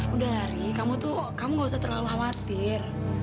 udah lah dery kamu tuh kamu nggak usah terlalu khawatir